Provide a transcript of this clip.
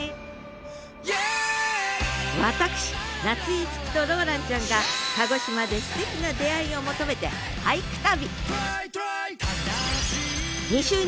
私夏井いつきとローランちゃんが鹿児島ですてきな出会いを求めて俳句旅！